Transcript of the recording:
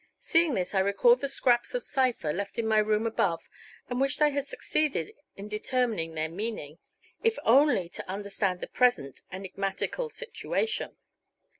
Seeing this, I recalled the scraps of cipher left in my room above and wished I had succeeded in determining their meaning, if only to understand the present enigmatical situation.